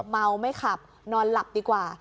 เมาไม่ขับนอนหลับดีกว่า